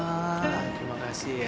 terima kasih ya